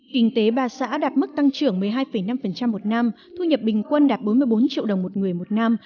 kinh tế ba xã đạt mức tăng trưởng một mươi hai năm một năm thu nhập bình quân đạt bốn mươi bốn triệu đồng một người một năm